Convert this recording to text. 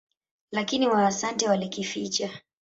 Lakini Waasante walikificha.